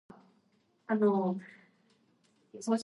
Ир - баш, хатын - муен.